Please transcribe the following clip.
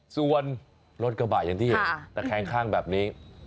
ส่วนรถกระบะอย่างที่เห็นตะแคงข้างแบบนี้